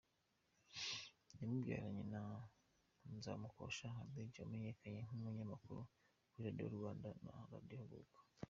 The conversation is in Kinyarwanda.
Yamubyaranye na Nzamukosha Hadidja wamenyekanye nk’umunyamakuru kuri Radio Rwanda na Radio Huguka.